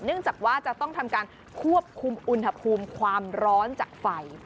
จากว่าจะต้องทำการควบคุมอุณหภูมิความร้อนจากไฟ